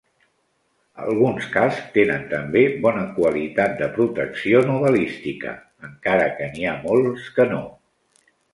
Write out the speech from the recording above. Alguns cascs tenen també bona qualitat de protecció no balística, encara que n'hi ha molts que no.